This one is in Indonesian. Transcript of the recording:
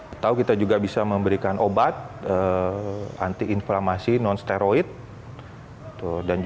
atau kita juga bisa memberikan obat anti inflamasi non steroid